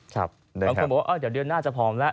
บางคนบอกว่าเดี๋ยวเดือนหน้าจะพร้อมแล้ว